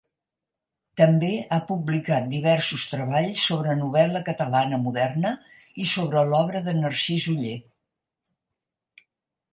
També ha publicat diversos treballs sobre novel·la catalana moderna i sobre l'obra de Narcís Oller.